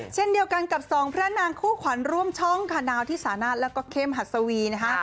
เช่นเดียวกันกับสองพระนางคู่ขวัญร่วมช่องคานาวที่สานาทแล้วก็เข้มหัสวีนะคะ